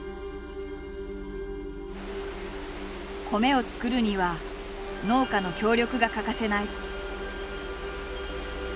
「米を作るには農家の協力が欠かせない」。